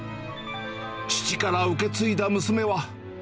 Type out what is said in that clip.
父から受け継いだ娘は。